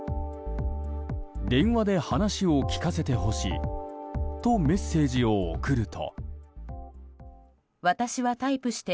電話で話を聞かせてほしいとメッセージを送ると。